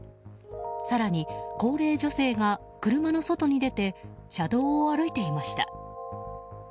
更に高齢女性が車の外に出て車道を歩いていました。